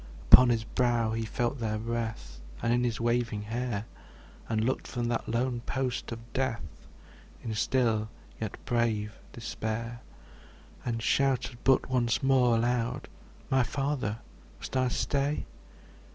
Upon his brow he felt their breath, And in his waving hair; And looked from that lone post of death In still yet brave despair; And shouted but once more aloud, ``My Father! must I stay?''